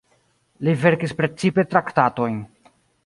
Li verkis precipe traktatojn.